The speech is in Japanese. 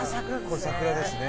これ桜ですね。